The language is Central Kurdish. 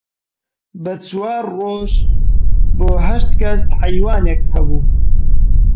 بە چوار ڕۆژ بۆ هەشت کەس حەیوانێک هەبوو